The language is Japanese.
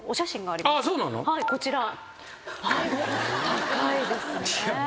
高いですね。